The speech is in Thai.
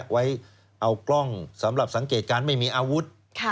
ไว้เอากล้องสำหรับสังเกตการณ์ไม่มีอาวุธ